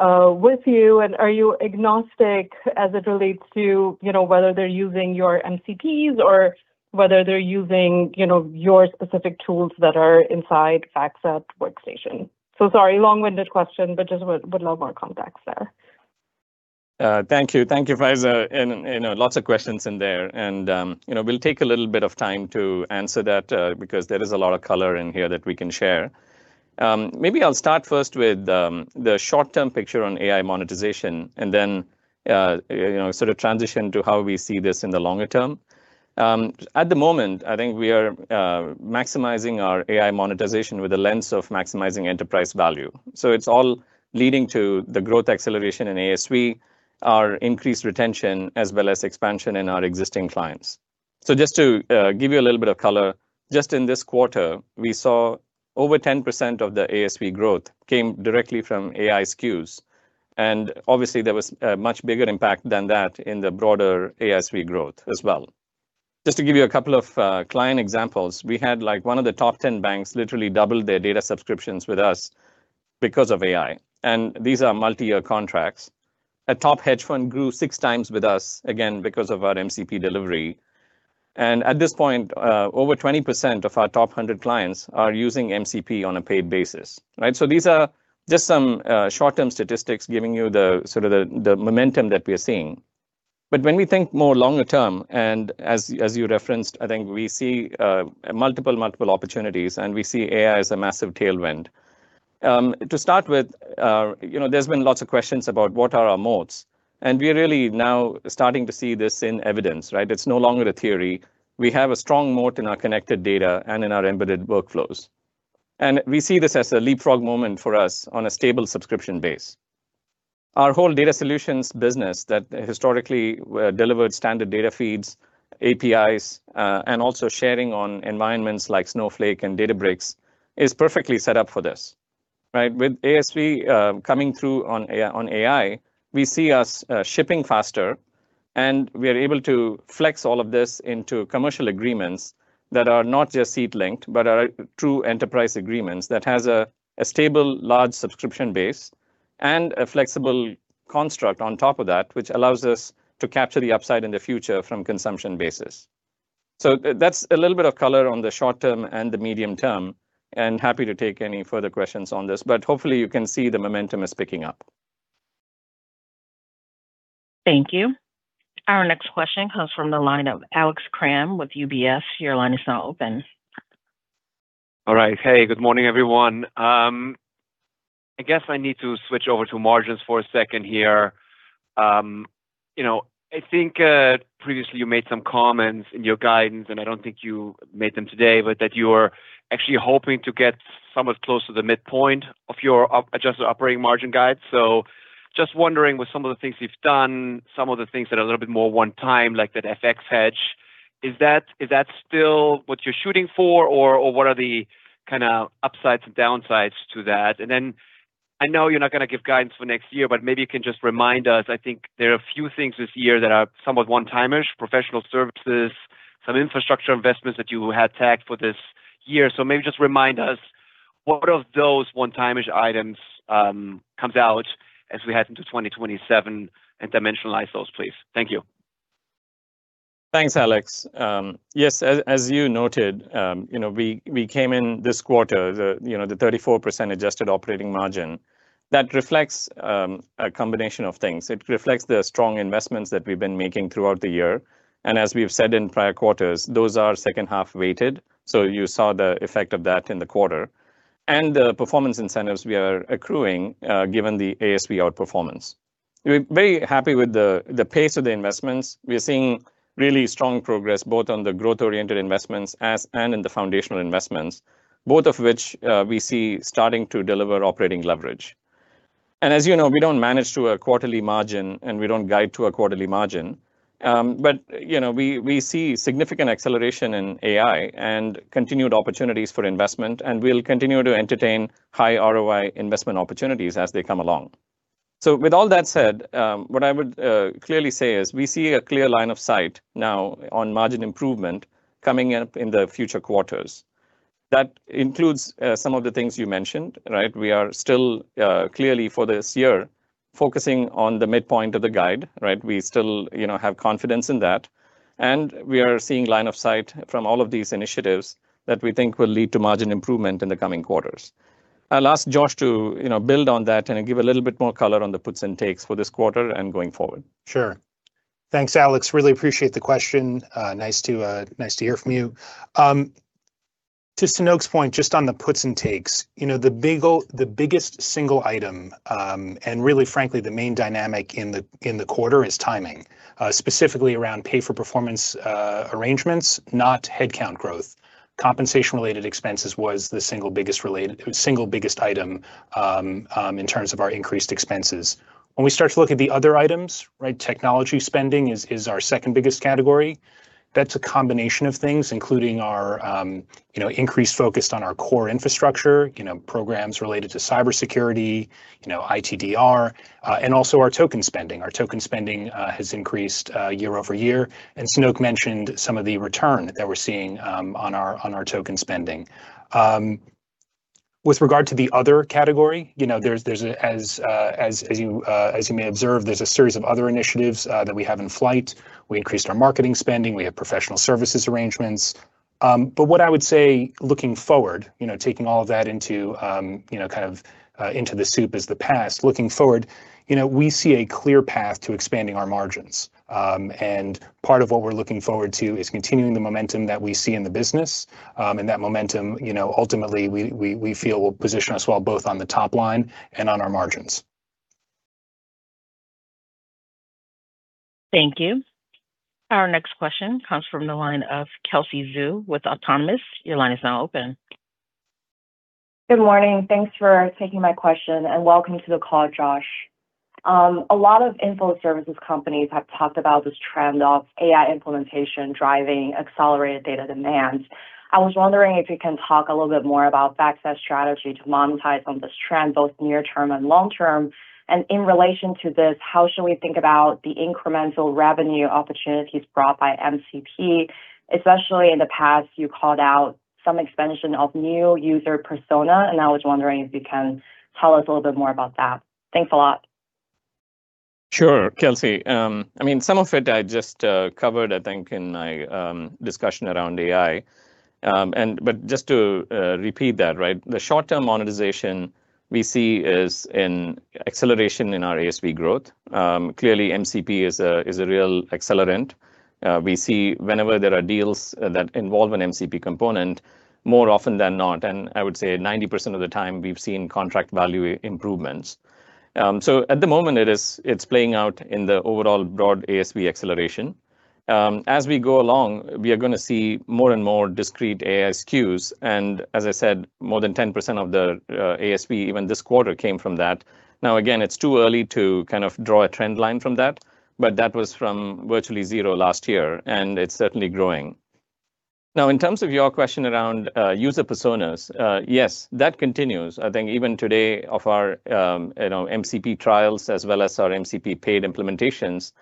with you. Are you agnostic as it relates to whether they're using your MCPs or whether they're using your specific tools that are inside FactSet workstation? Sorry, long-winded question, just would love more context there. Thank you. Thank you, Faiza. Lots of questions in there. We'll take a little bit of time to answer that, because there is a lot of color in here that we can share. Maybe I'll start first with the short-term picture on AI monetization and then transition to how we see this in the longer term. At the moment, I think we are maximizing our AI monetization with the lens of maximizing enterprise value. It's all leading to the growth acceleration in ASV, our increased retention, as well as expansion in our existing clients. Just to give you a little bit of color, just in this quarter, we saw over 10% of the ASV growth came directly from AI SKUs. Obviously, there was a much bigger impact than that in the broader ASV growth as well. Just to give you a couple of client examples, we had one of the top 10 banks literally double their data subscriptions with us because of AI, and these are multi-year contracts. A top hedge fund grew 6x with us, again, because of our MCP delivery. At this point, over 20% of our top 100 clients are using MCP on a paid basis. Right? These are just some short-term statistics giving you the momentum that we are seeing. When we think more longer term, and as you referenced, I think we see multiple opportunities, and we see AI as a massive tailwind. To start with, there's been lots of questions about what are our moats, and we are really now starting to see this in evidence, right? It's no longer a theory. We have a strong moat in our connected data and in our embedded workflows. We see this as a leapfrog moment for us on a stable subscription base. Our whole data solutions business that historically delivered standard data feeds, APIs, and also sharing on environments like Snowflake and Databricks, is perfectly set up for this, right? With ASV coming through on AI, we see us shipping faster, and we are able to flex all of this into commercial agreements that are not just seat linked, but are true enterprise agreements that has a stable, large subscription base and a flexible construct on top of that, which allows us to capture the upside in the future from consumption basis. That's a little bit of color on the short term and the medium term, and happy to take any further questions on this. Hopefully, you can see the momentum is picking up. Thank you. Our next question comes from the line of Alex Kramm with UBS. Your line is now open. All right. Hey, good morning, everyone. I guess I need to switch over to margins for a second here. I think previously you made some comments in your guidance, and I don't think you made them today, but that you are actually hoping to get somewhat close to the midpoint of your adjusted operating margin guide. Just wondering, with some of the things you've done, some of the things that are a little bit more one time, like that FX hedge, is that still what you're shooting for, or what are the upsides and downsides to that? I know you're not going to give guidance for next year, but maybe you can just remind us. I think there are a few things this year that are somewhat one-timers, professional services, some infrastructure investments that you had tagged for this year. Just remind us what of those one-timers items comes out as we head into 2027 and dimensionalize those, please. Thank you. Thanks, Alex. Yes, as you noted, we came in this quarter, the 34% adjusted operating margin. That reflects a combination of things. It reflects the strong investments that we've been making throughout the year, and as we've said in prior quarters, those are second-half weighted. You saw the effect of that in the quarter. And the performance incentives we are accruing, given the ASV outperformance. We're very happy with the pace of the investments. We are seeing really strong progress both on the growth-oriented investments and in the foundational investments, both of which we see starting to deliver operating leverage. As you know, we don't manage to a quarterly margin, and we don't guide to a quarterly margin. We see significant acceleration in AI and continued opportunities for investment, and we'll continue to entertain high ROI investment opportunities as they come along. With all that said, what I would clearly say is we see a clear line of sight now on margin improvement coming up in the future quarters. That includes some of the things you mentioned, right? We are still clearly for this year focusing on the midpoint of the guide. Right? We still have confidence in that, and we are seeing line of sight from all of these initiatives that we think will lead to margin improvement in the coming quarters. I'll ask Josh to build on that and give a little bit more color on the puts and takes for this quarter and going forward. Sure. Thanks, Alex. Really appreciate the question. Nice to hear from you. Just to Sanoke's point, just on the puts and takes. The biggest single item, and really frankly the main dynamic in the quarter is timing, specifically around pay-for-performance arrangements, not headcount growth. Compensation-related expenses was the single biggest item in terms of our increased expenses. When we start to look at the other items, technology spending is our second biggest category. That's a combination of things, including our increased focus on our core infrastructure, programs related to cybersecurity, ITDR, and also our token spending. Our token spending has increased year-over-year, and Sanoke mentioned some of the return that we're seeing on our token spending. With regard to the other category, as you may observe, there's a series of other initiatives that we have in flight. We increased our marketing spending. We have professional services arrangements. What I would say looking forward, taking all of that into the soup as the past. Looking forward, we see a clear path to expanding our margins. Part of what we're looking forward to is continuing the momentum that we see in the business, and that momentum, ultimately, we feel will position us well, both on the top line and on our margins. Thank you. Our next question comes from the line of Kelsey Zhu with Autonomous. Your line is now open. Good morning. Thanks for taking my question, and welcome to the call, Josh. A lot of info services companies have talked about this trend of AI implementation driving accelerated data demands. I was wondering if you can talk a little bit more about FactSet's strategy to monetize on this trend, both near term and long term. In relation to this, how should we think about the incremental revenue opportunities brought by MCP? Especially in the past, you called out some expansion of new user persona, and I was wondering if you can tell us a little bit more about that. Thanks a lot. Sure, Kelsey. Some of it I just covered, I think, in my discussion around AI. Just to repeat that. The short-term monetization we see is an acceleration in our ASV growth. Clearly, MCP is a real accelerant. We see whenever there are deals that involve an MCP component, more often than not, and I would say 90% of the time, we've seen contract value improvements. At the moment, it's playing out in the overall broad ASV acceleration. As we go along, we are going to see more and more discrete AI SKUs, and as I said, more than 10% of the ASV, even this quarter, came from that. Again, it's too early to draw a trend line from that, but that was from virtually zero last year, and it's certainly growing. In terms of your question around user personas, yes, that continues. I think even today of our MCP trials as well as our MCP paid implementations,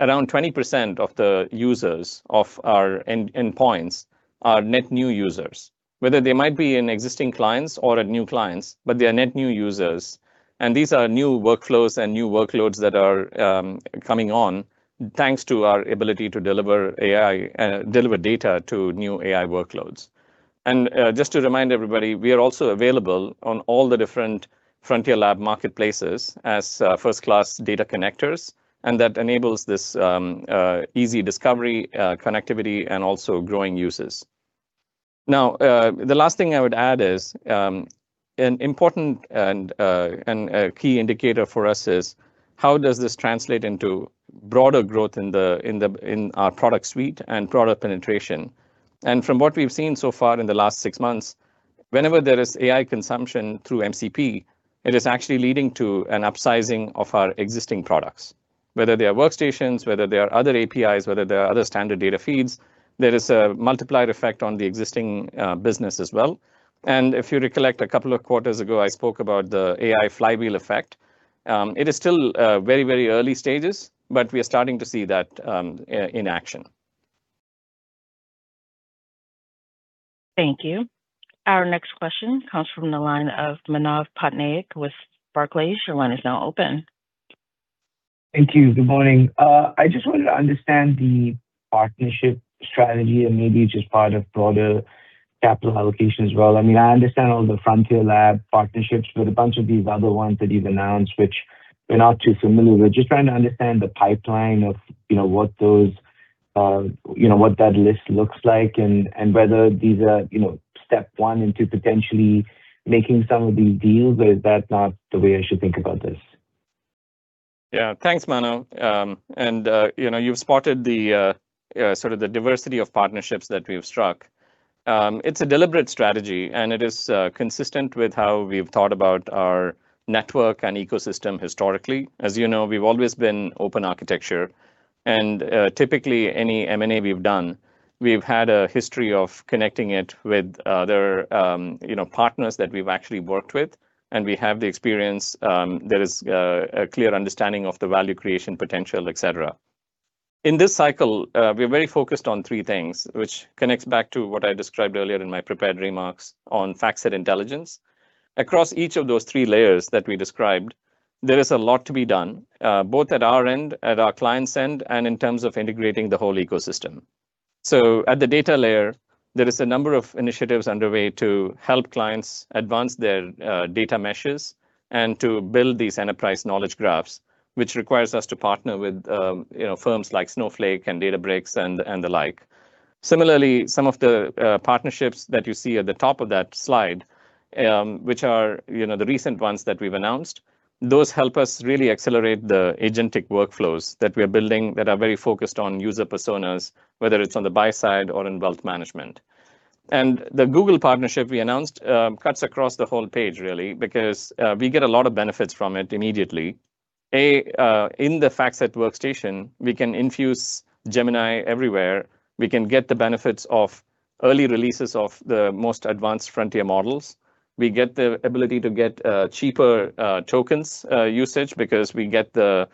around 20% of the users of our endpoints are net new users, whether they might be in existing clients or at new clients, but they are net new users. These are new workflows and new workloads that are coming on thanks to our ability to deliver data to new AI workloads. Just to remind everybody, we are also available on all the different frontier lab marketplaces as first-class data connectors, and that enables this easy discovery, connectivity, and also growing uses. The last thing I would add is an important and key indicator for us is how does this translate into broader growth in our product suite and product penetration? From what we've seen so far in the last six months, whenever there is AI consumption through MCP, it is actually leading to an upsizing of our existing products, whether they are workstations, whether they are other APIs, whether they are other standard data feeds. There is a multiplier effect on the existing business as well. If you recollect, a couple of quarters ago, I spoke about the AI flywheel effect. It is still very early stages, but we are starting to see that in action. Thank you. Our next question comes from the line of Manav Patnaik with Barclays. Your line is now open. Thank you. Good morning. I just wanted to understand the partnership strategy and maybe just part of broader capital allocation as well. I understand all the frontier lab partnerships, but a bunch of these other ones that you've announced, which we're not too familiar with. Just trying to understand the pipeline of what that list looks like, and whether these are step one into potentially making some of these deals, or is that not the way I should think about this? Thanks, Manav. You've spotted the diversity of partnerships that we've struck. It's a deliberate strategy. It is consistent with how we've thought about our network and ecosystem historically. As you know, we've always been open architecture. Typically any M&A we've done, we've had a history of connecting it with other partners that we've actually worked with, and we have the experience. There is a clear understanding of the value creation potential, et cetera. In this cycle, we are very focused on three things, which connects back to what I described earlier in my prepared remarks on FactSet Intelligence. Across each of those three layers that we described, there is a lot to be done, both at our end, at our clients' end, and in terms of integrating the whole ecosystem. At the data layer, there is a number of initiatives underway to help clients advance their data meshes and to build these enterprise knowledge graphs, which requires us to partner with firms like Snowflake and Databricks and the like. Similarly, some of the partnerships that you see at the top of that slide, which are the recent ones that we've announced, those help us really accelerate the agentic workflows that we are building that are very focused on user personas, whether it's on the buy side or in wealth management. The Google partnership we announced cuts across the whole page, really, because we get a lot of benefits from it immediately. A, in the FactSet workstation, we can infuse Gemini everywhere. We can get the benefits of early releases of the most advanced frontier models. We get the ability to get cheaper tokens usage because we get the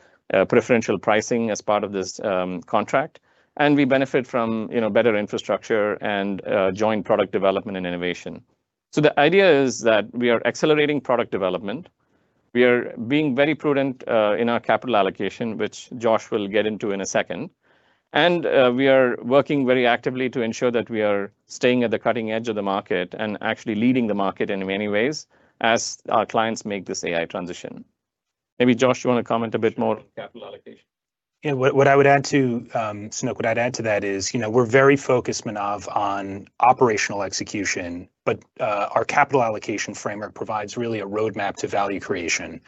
preferential pricing as part of this contract, and we benefit from better infrastructure and joint product development and innovation. The idea is that we are accelerating product development. We are being very prudent in our capital allocation, which Josh will get into in a second. We are working very actively to ensure that we are staying at the cutting edge of the market and actually leading the market in many ways as our clients make this AI transition. Maybe Josh, you want to comment a bit more on capital allocation? What I would add to, Sanoke, what I'd add to that is, we're very focused, Manav, on operational execution. Our capital allocation framework provides really a roadmap to value creation.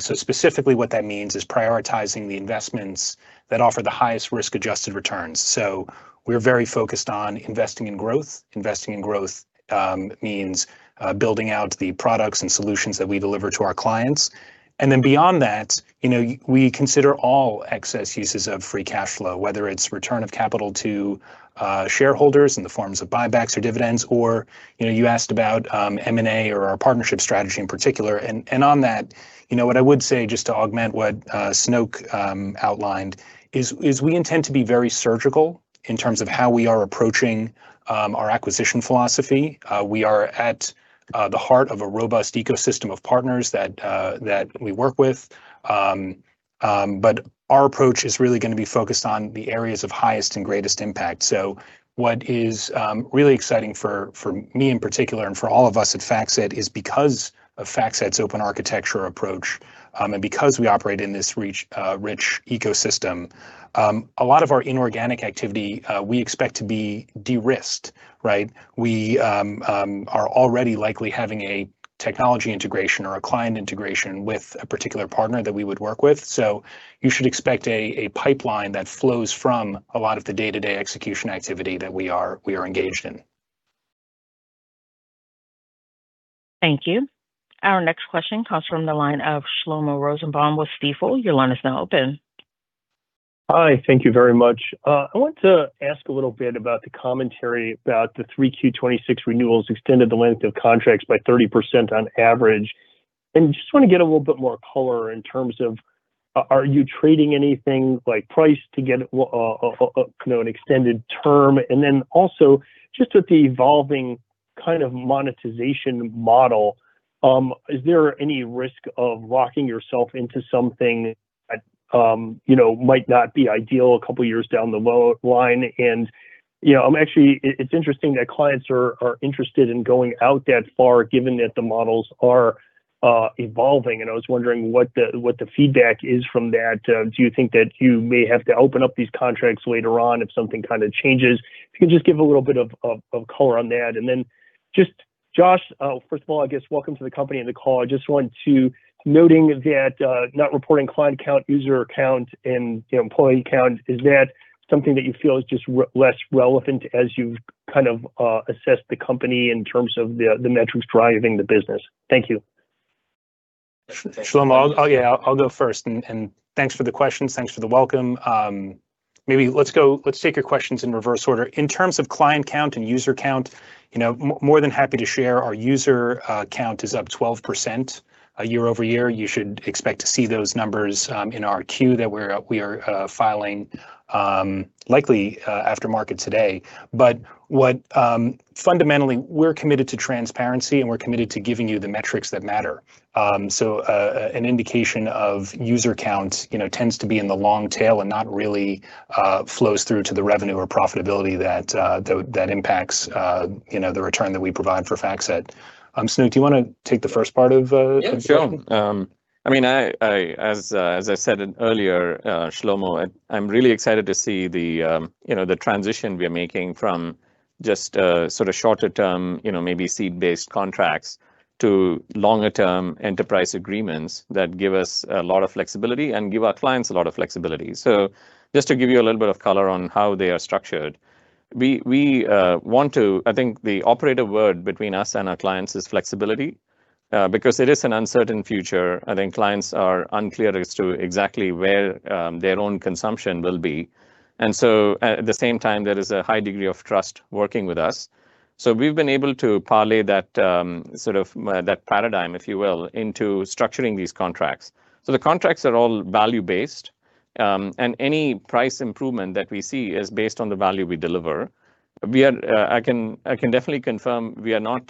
Specifically what that means is prioritizing the investments that offer the highest risk-adjusted returns. We're very focused on investing in growth. Investing in growth means building out the products and solutions that we deliver to our clients. Then beyond that, we consider all excess uses of free cash flow, whether it's return of capital to shareholders in the forms of buybacks or dividends, or you asked about M&A or our partnership strategy in particular. On that, what I would say, just to augment what Sanoke outlined is, we intend to be very surgical in terms of how we are approaching our acquisition philosophy. We are at the heart of a robust ecosystem of partners that we work with. Our approach is really going to be focused on the areas of highest and greatest impact. What is really exciting for me in particular, and for all of us at FactSet is because of FactSet's open architecture approach, and because we operate in this rich ecosystem, a lot of our inorganic activity, we expect to be de-risked. Right? We are already likely having a technology integration or a client integration with a particular partner that we would work with. You should expect a pipeline that flows from a lot of the day-to-day execution activity that we are engaged in. Thank you. Our next question comes from the line of Shlomo Rosenbaum with Stifel. Your line is now open. Hi. Thank you very much. I want to ask a little bit about the commentary about the 3Q 2026 renewals extended the length of contracts by 30% on average. Just want to get a little bit more color in terms of are you trading anything like price to get an extended term? Then also just with the evolving kind of monetization model, is there any risk of locking yourself into something that might not be ideal a couple of years down the line? Actually, it's interesting that clients are interested in going out that far, given that the models are evolving, and I was wondering what the feedback is from that. Do you think that you may have to open up these contracts later on if something kind of changes? If you can just give a little bit of color on that. Then just Josh, first of all, I guess welcome to the company and the call. Noting that not reporting client count, user count, and employee count, is that something that you feel is just less relevant as you've kind of assessed the company in terms of the metrics driving the business? Thank you. Shlomo. I'll go first, thanks for the question. Thanks for the welcome. Maybe let's take your questions in reverse order. In terms of client count and user count, more than happy to share. Our user count is up 12% year-over-year. You should expect to see those numbers in our 10-Q that we are filing, likely after market today. What fundamentally, we're committed to transparency, and we're committed to giving you the metrics that matter. An indication of user count tends to be in the long tail and not really flows through to the revenue or profitability that impacts the return that we provide for FactSet. Sanoke, do you want to take the first part of- Yeah, sure. As I said earlier, Shlomo, I'm really excited to see the transition we are making from just sort of shorter-term, maybe seed-based contracts to longer-term enterprise agreements that give us a lot of flexibility and give our clients a lot of flexibility. Just to give you a little bit of color on how they are structured. I think the operative word between us and our clients is flexibility. It is an uncertain future, I think clients are unclear as to exactly where their own consumption will be. At the same time, there is a high degree of trust working with us. We've been able to parlay that sort of paradigm, if you will, into structuring these contracts. The contracts are all value-based. Any price improvement that we see is based on the value we deliver. I can definitely confirm we are not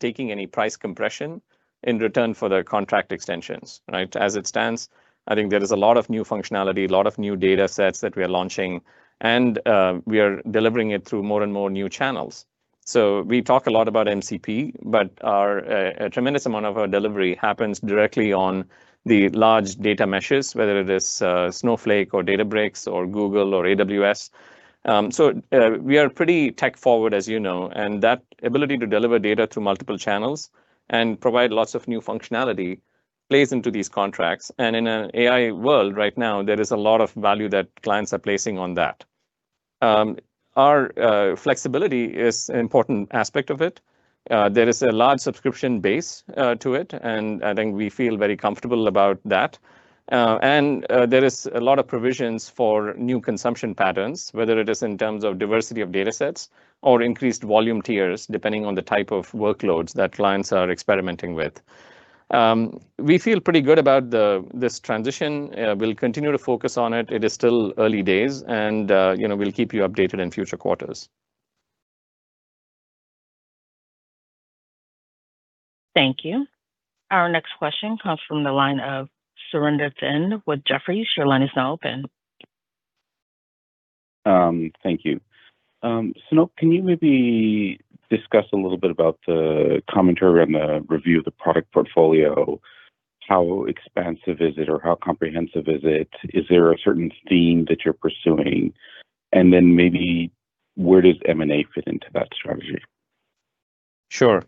taking any price compression in return for the contract extensions. Right. As it stands, I think there is a lot of new functionality, a lot of new data sets that we are launching, and we are delivering it through more and more new channels. We talk a lot about MCP, but a tremendous amount of our delivery happens directly on the large data meshes, whether it is Snowflake or Databricks or Google or AWS. We are pretty tech forward, as you know, and that ability to deliver data through multiple channels and provide lots of new functionality plays into these contracts. In an AI world right now, there is a lot of value that clients are placing on that. Our flexibility is an important aspect of it. There is a large subscription base to it, I think we feel very comfortable about that. There is a lot of provisions for new consumption patterns, whether it is in terms of diversity of data sets or increased volume tiers, depending on the type of workloads that clients are experimenting with. We feel pretty good about this transition. We'll continue to focus on it. It is still early days and we'll keep you updated in future quarters. Thank you. Our next question comes from the line of Surinder Thind with Jefferies. Your line is now open. Thank you. Sanoke, can you maybe discuss a little bit about the commentary on the review of the product portfolio? How expansive is it or how comprehensive is it? Is there a certain theme that you're pursuing? Maybe where does M&A fit into that strategy? Sure.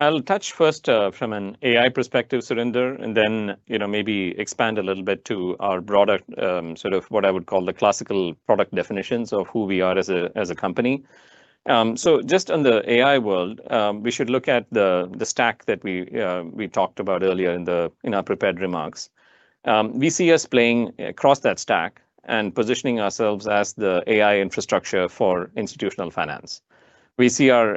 I'll touch first from an AI perspective, Surinder, then maybe expand a little bit to our broader sort of what I would call the classical product definitions of who we are as a company. Just on the AI world, we should look at the stack that we talked about earlier in our prepared remarks. We see us playing across that stack and positioning ourselves as the AI infrastructure for institutional finance. We see our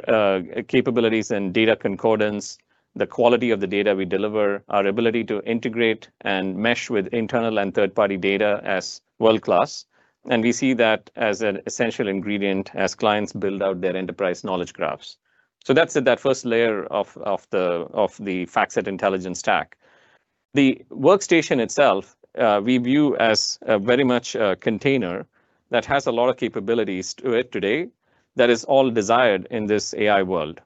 capabilities and data concordance, the quality of the data we deliver, our ability to integrate and mesh with internal and third-party data as world-class, and we see that as an essential ingredient as clients build out their enterprise knowledge graphs. That's at that first layer of the FactSet Intelligence stack. The workstation itself, we view as very much a container that has a lot of capabilities to it today that is all desired in this AI world.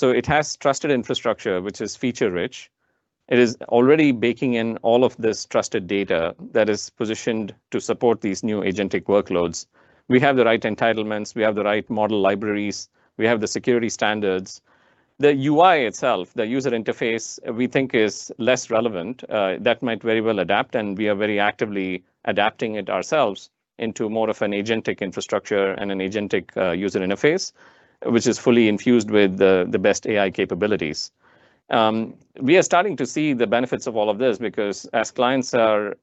It has trusted infrastructure, which is feature-rich. It is already baking in all of this trusted data that is positioned to support these new agentic workloads. We have the right entitlements, we have the right model libraries, we have the security standards. The UI itself, the user interface, we think is less relevant. That might very well adapt, and we are very actively adapting it ourselves into more of an agentic infrastructure and an agentic user interface, which is fully infused with the best AI capabilities. We are starting to see the benefits of all of this because as clients are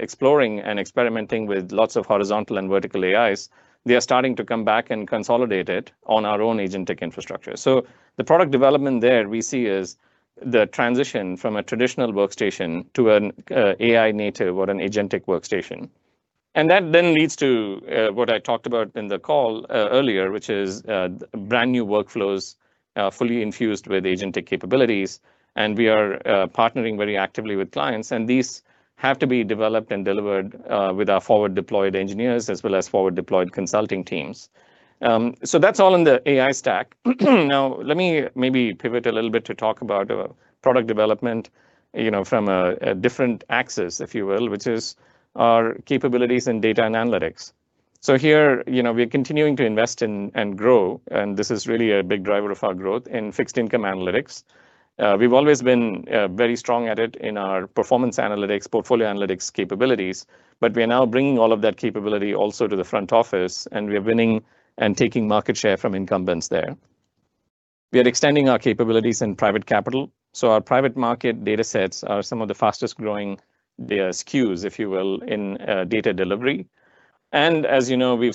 exploring and experimenting with lots of horizontal and vertical AIs, they are starting to come back and consolidate it on our own agentic infrastructure. The product development there we see is the transition from a traditional workstation to an AI native or an agentic workstation. That then leads to what I talked about in the call earlier, which is brand-new workflows, fully infused with agentic capabilities, and we are partnering very actively with clients, and these have to be developed and delivered with our forward-deployed engineers as well as forward-deployed consulting teams. That's all in the AI stack. Now, let me maybe pivot a little bit to talk about product development, from a different axis, if you will, which is our capabilities in data and analytics. Here, we're continuing to invest in and grow, and this is really a big driver of our growth in fixed income analytics. We've always been very strong at it in our performance analytics, portfolio analytics capabilities, but we are now bringing all of that capability also to the front office, and we are winning and taking market share from incumbents there. We are extending our capabilities in private capital, so our private market data sets are some of the fastest-growing SKUs, if you will, in data delivery. As you know, we've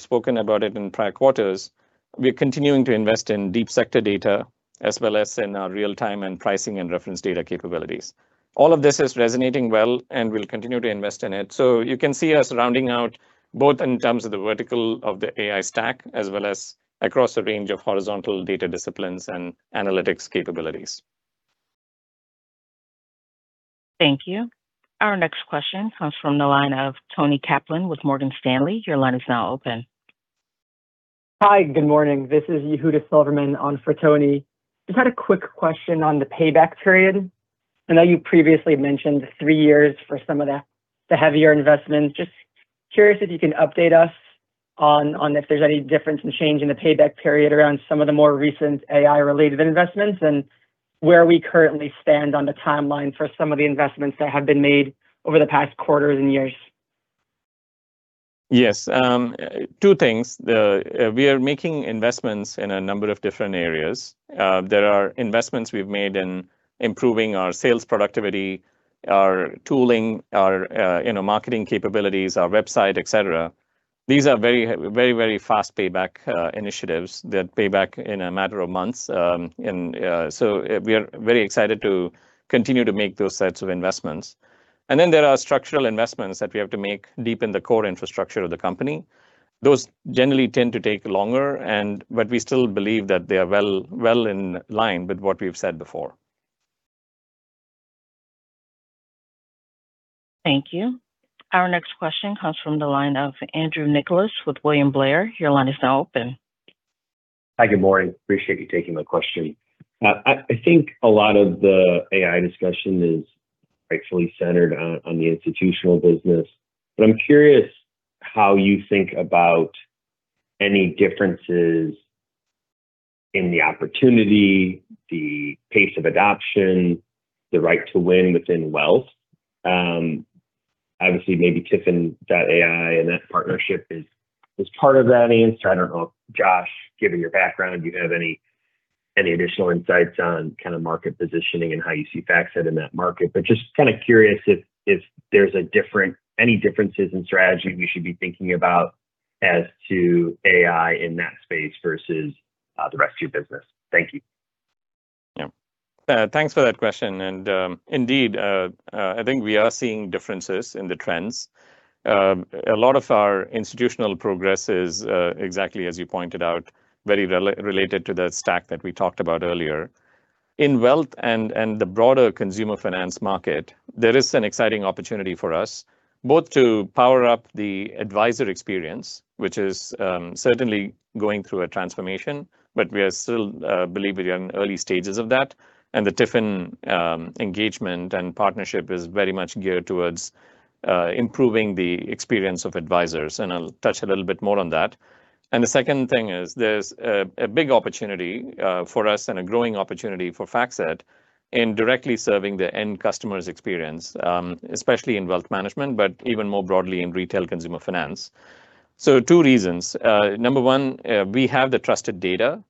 spoken about it in prior quarters, we're continuing to invest in deep sector data as well as in our real-time and pricing and reference data capabilities. All of this is resonating well, and we'll continue to invest in it. You can see us rounding out both in terms of the vertical of the AI stack as well as across a range of horizontal data disciplines and analytics capabilities. Thank you. Our next question comes from the line of Toni Kaplan with Morgan Stanley. Your line is now open. Hi, good morning. This is Yehuda Silverman on for Toni. Just had a quick question on the payback period. I know you previously mentioned three years for some of the heavier investments. Just curious if you can update us on if there's any difference in change in the payback period around some of the more recent AI-related investments and where we currently stand on the timeline for some of the investments that have been made over the past quarters and years. Yes. Two things. We are making investments in a number of different areas. There are investments we've made in improving our sales productivity, our tooling, our marketing capabilities, our website, et cetera. These are very fast payback initiatives that pay back in a matter of months. We are very excited to continue to make those sets of investments. There are structural investments that we have to make deep in the core infrastructure of the company. Those generally tend to take longer, we still believe that they are well in line with what we've said before. Thank you. Our next question comes from the line of Andrew Nicholas with William Blair. Your line is now open. Hi, good morning. Appreciate you taking my question. I think a lot of the AI discussion is rightfully centered on the institutional business, I'm curious how you think about any differences in the opportunity, the pace of adoption, the right to win within Wealth. Obviously, maybe TIFIN.AI and that partnership is part of that answer. I don't know if, Josh, given your background, you have any additional insights on kind of market positioning and how you see FactSet in that market. Just kind of curious if there's any differences in strategy we should be thinking about as to AI in that space versus the rest of your business. Thank you. Yeah. Thanks for that question. Indeed, I think we are seeing differences in the trends. A lot of our institutional progress is exactly as you pointed out, very related to the stack that we talked about earlier. In Wealth and the broader consumer finance market, there is an exciting opportunity for us both to power up the advisor experience, which is certainly going through a transformation. We are still, I believe, very early stages of that, and the TIFIN engagement and partnership is very much geared towards improving the experience of advisors. I'll touch a little bit more on that. The second thing is there's a big opportunity for us and a growing opportunity for FactSet in directly serving the end customer's experience. Especially in wealth management, but even more broadly in retail consumer finance. Two reasons. Number one, we have the trusted data.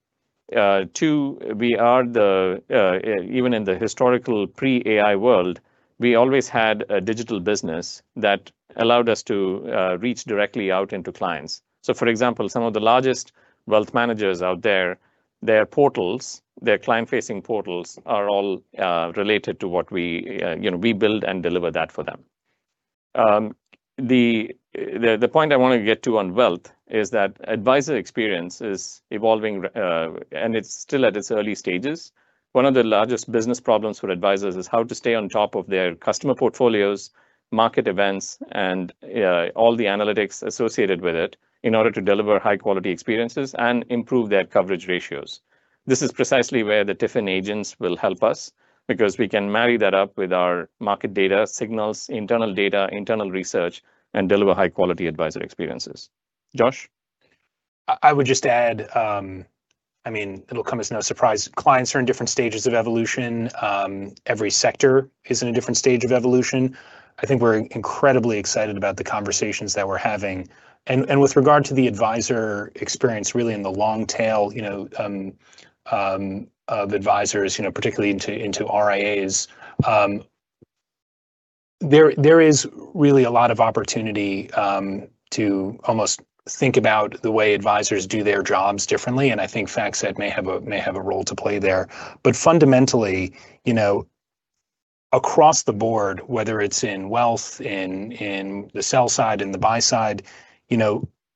Two, even in the historical pre-AI world, we always had a digital business that allowed us to reach directly out into clients. For example, some of the largest wealth managers out there, their client-facing portals are all related to what we build and deliver that for them. The point I want to get to on Wealth is that advisor experience is evolving, and it's still at its early stages. One of the largest business problems for advisors is how to stay on top of their customer portfolios, market events, and all the analytics associated with it in order to deliver high-quality experiences and improve their coverage ratios. This is precisely where the TIFIN agents will help us because we can marry that up with our market data, signals, internal data, internal research, and deliver high-quality advisor experiences. Josh? I would just add, it'll come as no surprise, clients are in different stages of evolution. Every sector is in a different stage of evolution. I think we're incredibly excited about the conversations that we're having. With regard to the advisor experience, really in the long tail of advisors, particularly into RIAs, there is really a lot of opportunity to almost think about the way advisors do their jobs differently. I think FactSet may have a role to play there. Fundamentally, across the board, whether it's in Wealth, in the sell-side, in the buy-side,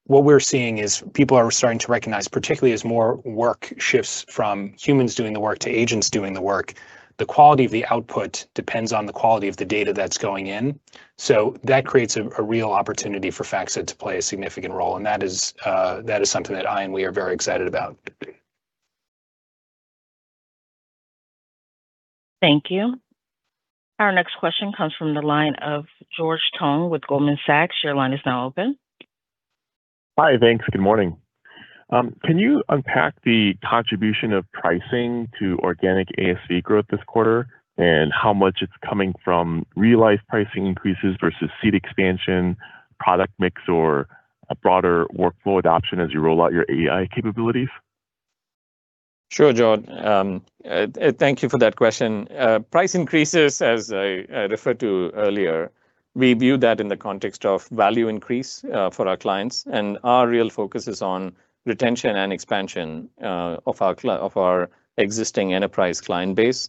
what we're seeing is people are starting to recognize, particularly as more work shifts from humans doing the work to agents doing the work, the quality of the output depends on the quality of the data that's going in. That creates a real opportunity for FactSet to play a significant role. That is something that I and we are very excited about. Thank you. Our next question comes from the line of George Tong with Goldman Sachs. Your line is now open. Hi. Thanks. Good morning. Can you unpack the contribution of pricing to organic ASV growth this quarter, and how much it's coming from realized pricing increases versus seed expansion, product mix, or a broader workflow adoption as you roll out your AI capabilities? Sure, George. Thank you for that question. Price increases, as I referred to earlier, we view that in the context of value increase for our clients. Our real focus is on retention and expansion of our existing enterprise client base.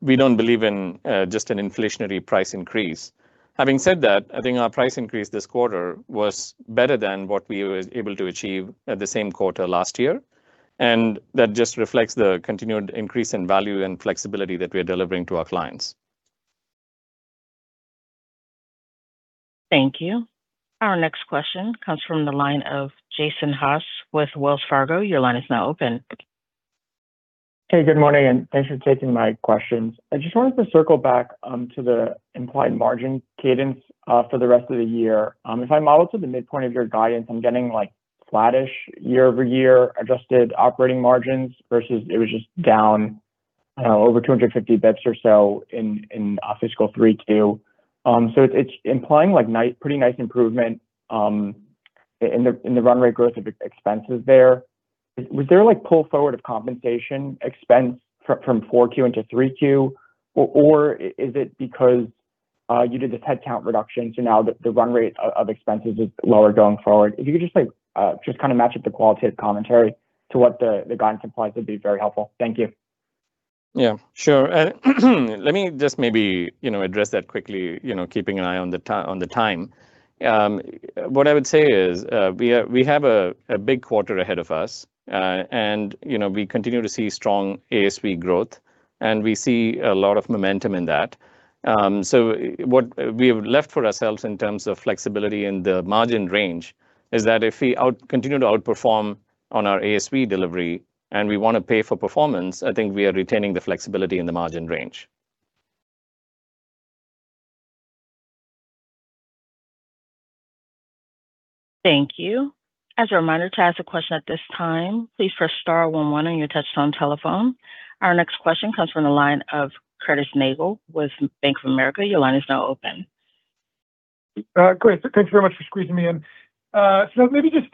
We don't believe in just an inflationary price increase. Having said that, I think our price increase this quarter was better than what we were able to achieve at the same quarter last year, and that just reflects the continued increase in value and flexibility that we are delivering to our clients. Thank you. Our next question comes from the line of Jason Haas with Wells Fargo. Your line is now open. Good morning, and thanks for taking my questions. I just wanted to circle back to the implied margin cadence for the rest of the year. If I model to the midpoint of your guidance, I am getting like flat-ish year-over-year adjusted operating margins versus it was just down over 250 basis points or so in fiscal 3Q. It is implying pretty nice improvement in the run rate growth of expenses there. Was there like pull forward of compensation expense from 4Q into 3Q, or is it because you did this headcount reduction, now the run rate of expenses is lower going forward? If you could just kind of match up the qualitative commentary to what the guidance implies, that would be very helpful. Thank you. Sure. Let me just maybe address that quickly, keeping an eye on the time. What I would say is we have a big quarter ahead of us. We continue to see strong ASV growth. We see a lot of momentum in that. What we have left for ourselves in terms of flexibility in the margin range is that if we continue to outperform on our ASV delivery and we want to pay for performance, I think we are retaining the flexibility in the margin range. Thank you. As a reminder, to ask a question at this time, please press star one one on your touch-tone telephone. Our next question comes from the line of Curtis Nagle with Bank of America. Your line is now open. Great. Thank you very much for squeezing me in. Maybe just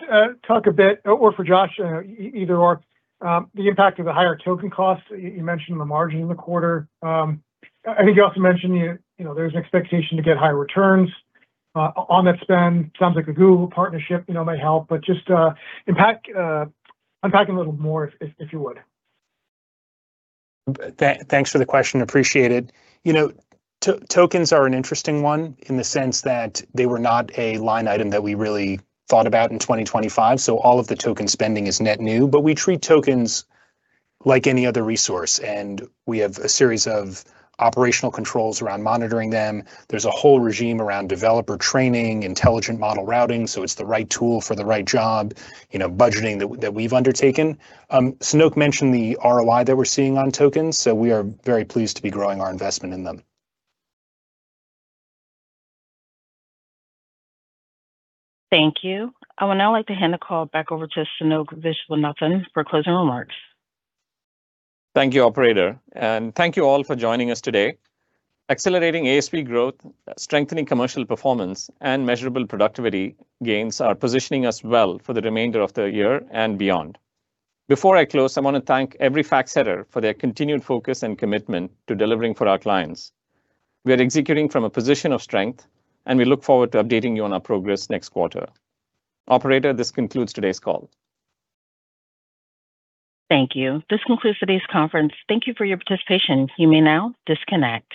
talk a bit, or for Josh, either or, the impact of the higher token cost. You mentioned the margin in the quarter. I think you also mentioned there is an expectation to get higher returns on that spend. Sounds like the Google partnership might help, just unpack a little more if you would. Thanks for the question. Appreciate it. Tokens are an interesting one in the sense that they were not a line item that we really thought about in 2025. All of the token spending is net new. We treat tokens like any other resource, and we have a series of operational controls around monitoring them. There's a whole regime around developer training, intelligent model routing, so it's the right tool for the right job, budgeting that we've undertaken. Sanoke mentioned the ROI that we're seeing on tokens, we are very pleased to be growing our investment in them. Thank you. I would now like to hand the call back over to Sanoke Viswanathan for closing remarks. Thank you, operator, and thank you all for joining us today. Accelerating ASV growth, strengthening commercial performance, and measurable productivity gains are positioning us well for the remainder of the year and beyond. Before I close, I want to thank every FactSetter for their continued focus and commitment to delivering for our clients. We are executing from a position of strength, and we look forward to updating you on our progress next quarter. Operator, this concludes today's call. Thank you. This concludes today's conference. Thank you for your participation. You may now disconnect.